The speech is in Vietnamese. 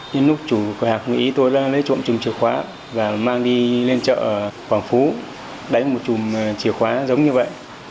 lúc chủ cửa hàng nghĩ tôi đã lấy trùm trùm chìa khóa và mang đi lên chợ quảng phú đánh một trùm chìa khóa giống như vậy